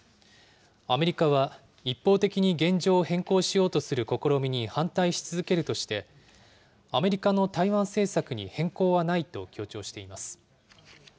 アメリカは一方的に現状を変更しようとする試みに反対し続けるとして、アメリカの台湾政策に変更はないと強調しています。